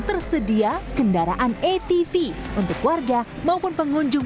tersedia kendaraan atv untuk warga maupun pengunjung